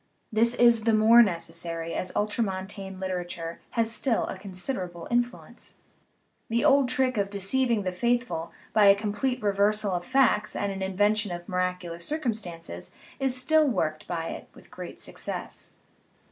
This is the more necessary as ultramontane literature has still a considerable influence. The old trick of de ceiving the faithful by a complete reversal of facts and an invention of miraculous circumstances is still work ed by it with great success.